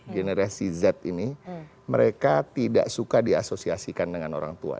generasi z ini mereka tidak suka diasosiasikan dengan orang tua